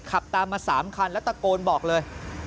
ขับตามมา๓คันแล้วตะโกนบอกเลย